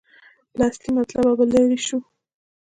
له اصلي مطلبه به لرې شو.